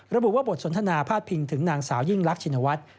ระบุว่าบทสนทนาพาดพิงถึงนางสาวยิ่งรักชินวัฒน์